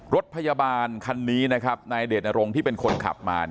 รถพยาบาลคันนี้นายเดชน์นโรงที่เป็นคนขับมา